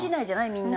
みんな。